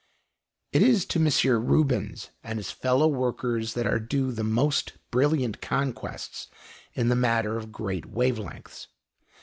It is to M. Rubens and his fellow workers that are due the most brilliant conquests in the matter of great wave lengths.